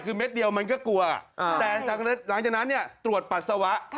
คือเม็ดเดียวมันก็กลัวแต่หลังจากนั้นเนี่ยตรวจปัสสาวะ